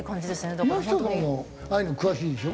岩下さんもああいうの詳しいでしょ？